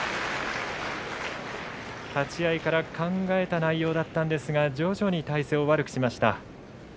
立ち合いから考えた内容だったんですが徐々に体勢を悪くしました。